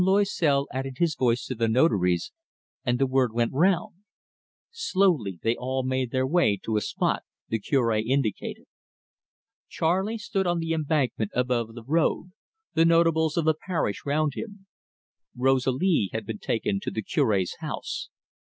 Loisel added his voice to the Notary's, and the word went round. Slowly they all made their way to a spot the Cure indicated. Charley stood on the embankment above the road, the notables of the parish round him. Rosalie had been taken to the Cure's house.